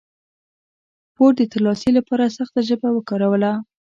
پور د ترلاسي لپاره سخته ژبه وکاروله.